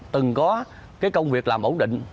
từng có công việc làm ổn định